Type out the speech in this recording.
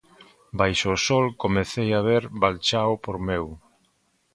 Baixo o sol comecei a ver Valchao por meu.